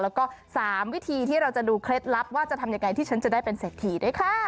แล้วก็๓วิธีที่เราจะดูเคล็ดลับว่าจะทำยังไงที่ฉันจะได้เป็นเศรษฐีด้วยค่ะ